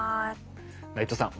内藤さん